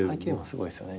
すごいっすよね